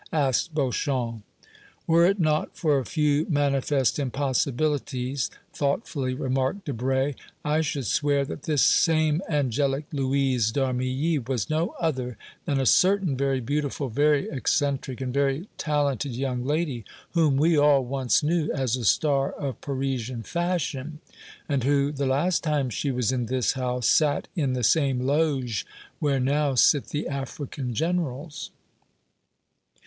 asked Beauchamp. "Were it not for a few manifest impossibilities," thoughtfully remarked Debray, "I should swear that this same angelic Louise d'Armilly was no other than a certain very beautiful, very eccentric and very talented young lady whom we all once knew as a star of Parisian fashion, and who, the last time she was in this house, sat in the same loge where now sit the African generals."